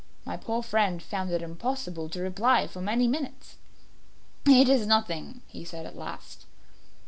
My poor friend found it impossible to reply for many minutes. "It is nothing," he said, at last.